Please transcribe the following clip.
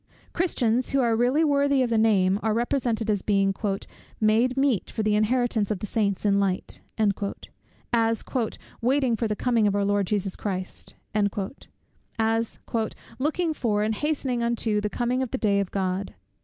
Christians, who are really worthy of the name, are represented as being "made meet for the inheritance of the Saints in light;" as "waiting for the coming of our Lord Jesus Christ;" as "looking for and hastening unto the coming of the day of God."